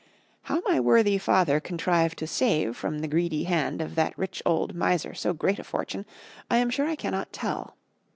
How my worthy father contrived to save from the greedy hand of that rich old miser so great a fortune, I am sure I can not tell.